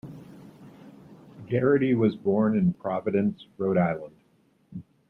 Gerety was born in Providence, Rhode Island.